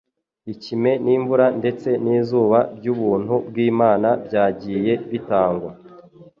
Ikime n’imvura ndetse n’izuba by’ubuntu bw’Imana byagiye bitangwa